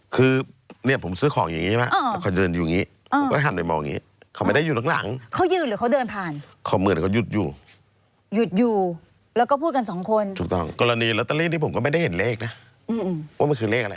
คือผมซื้อของอย่างนี้ใช่ไหม